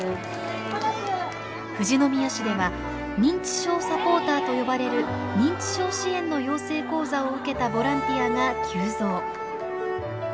富士宮市では認知症サポーターと呼ばれる認知症支援の養成講座を受けたボランティアが急増。